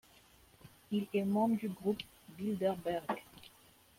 Il est membre du Groupe Bilderberg.